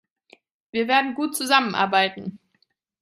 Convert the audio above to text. Wir werden gut zusammenarbeiten.